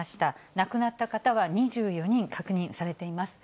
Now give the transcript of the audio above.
亡くなった方は２４人確認されています。